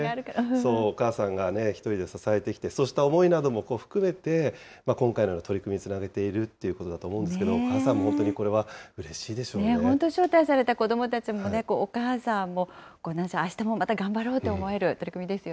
そう、お母さんが１人で支えてきて、そうした思いなども含めて、今回の取り組みにつなげているということだと思うんですけれども、お母さんも本当にこれはう本当、招待された子どもたちもね、お母さんも、あしたもまた頑張ろうと思える取り組みですよ